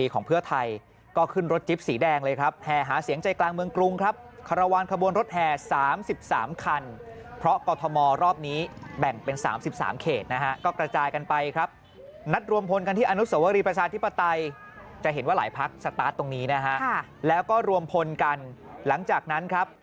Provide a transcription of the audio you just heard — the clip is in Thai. เขตนี้เขตบ้านหัวหน้าแพ้ไม่ได้